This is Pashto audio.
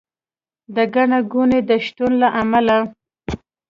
د ګڼه ګوڼې د شتون له امله